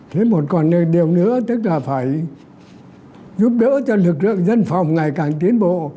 thế một còn điều nữa tức là phải giúp đỡ cho lực lượng dân phòng ngày càng tiến bộ